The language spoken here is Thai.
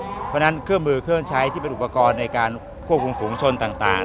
เพราะฉะนั้นเครื่องมือเครื่องใช้ที่เป็นอุปกรณ์ในการควบคุมฝูงชนต่าง